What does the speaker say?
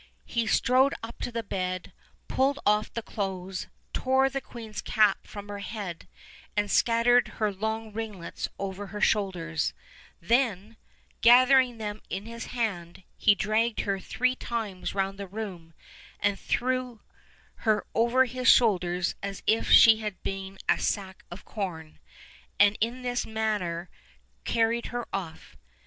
He strode up to the bed, pulled off the clothes, tore the queen's cap from her head, and scattered her long ringlets over her shoulders; then, gathering them in his hand, he dragged her three times round the room, and threw her over his shoulders as if she had been a sack of corn, and in this manner carried her off.